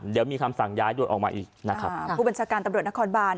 เดี๋ยวมีคำสั่งย้ายด่วนออกมาอีกนะครับผู้บัญชาการตำรวจนครบาน